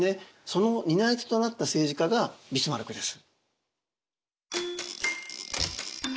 その担い手となった政治家がビスマルクです。